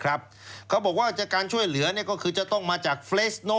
เขาบอกว่าจากการช่วยเหลือก็คือจะต้องมาจากเฟรสโน